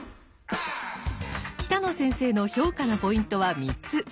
北野先生の評価のポイントは３つ。